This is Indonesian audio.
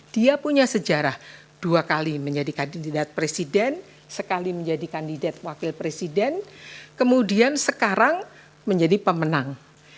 dia punya sejarah dua kali menjadi kandidat presiden sekali menjadi kandidat wakil presiden kemudian sekarang menjadi pemenang